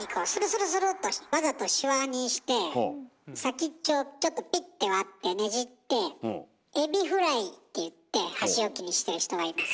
スルッとわざとシワにして先っちょをちょっとピッて割ってねじってエビフライって言って箸置きにしてる人がいます。